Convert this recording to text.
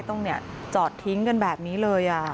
ต้องเนี่ยจอดทิ้งกันแบบนี้เลยอ่ะ